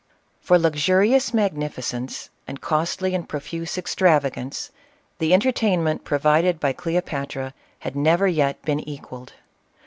For luxurious magnificence, and costly and profuse evtravagance, the entertainment provided by Cleopatra had never yet been equalled.